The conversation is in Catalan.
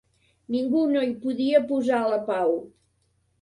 Ningú no hi podia posar la pau.